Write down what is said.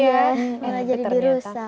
iya karena jadi dirusak